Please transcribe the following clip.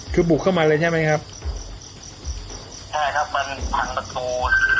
คือบุกเข้ามาเลยใช่ไหมครับใช่ครับมันพังประตู